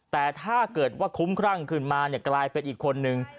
แต่ถ้าเกิดว่าคุ้มครั่งขึ้นมาเนี่ยกลายเป็นอีกคนนึง